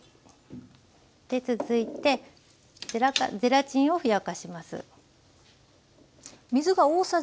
で続いてゼラチンをふやかします。